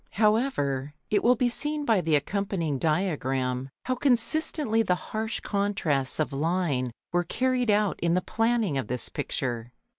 However, it will be seen by the accompanying diagram how consistently the harsh contrasts of line were carried out in the planning of this picture.